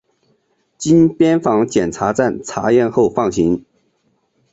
经边防检查站查验后放行。